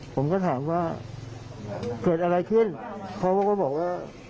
ผมก็ถามว่าเกิดอะไรขึ้นเขาก็บอกว่า